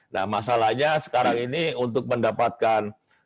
nah masalahnya sekarang ini untuk mendapatkan